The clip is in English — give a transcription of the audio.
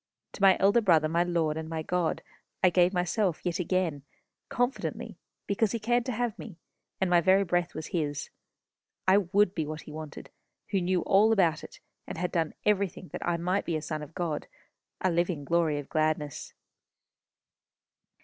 To my Elder Brother, my Lord, and my God, I gave myself yet again, confidently, because he cared to have me, and my very breath was his. I would be what he wanted, who knew all about it, and had done everything that I might be a son of God a living glory of gladness.